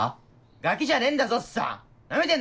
ガキじゃねえんだぞおっさん！